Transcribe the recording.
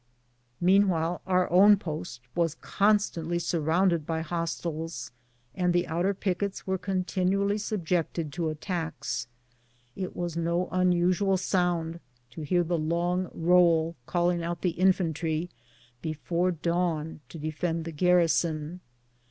Meanwhile our own post was constantly surrounded by hostiles, and the outer pickets were continually sub jected to attacks. It was no unusual sound to hear the long roll calling out the infantry before dawn to defend the garrison.